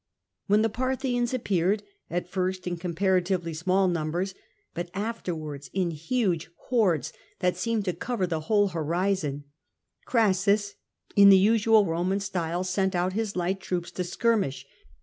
When the Parthians appeared, at first in compara tively small numbers, but afterwards in huge hordes that seemed to cover the whole horizon, Crassus (in the usual Roman style) sent out his light troops to skirmish.